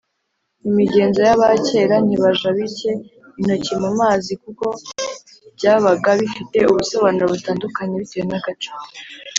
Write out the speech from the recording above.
imigenzo y’abakera ntibajabike intoki mu mazi kuko byabaga bifite ubusobanuro butandukanye bitewe n’agace.